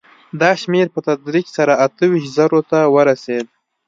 دا شمېر په تدریج سره اته ویشت زرو ته ورسېد